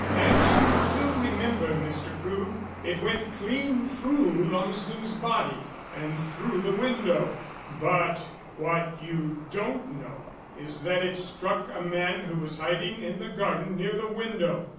As you will remember, Mr. Crewe, it went clean through Lumsden's body, and through the window. But what you don't know is that it struck a man who was hiding in the garden near the window.